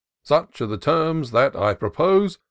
Such are the terms that I propose.